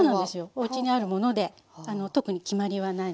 おうちにあるもので特に決まりはないです。